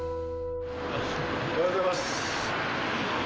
おはようございます。